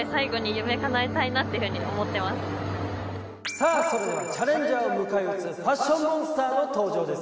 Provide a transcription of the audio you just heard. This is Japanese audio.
さあそれではチャレンジャーを迎え撃つファッションモンスターの登場です。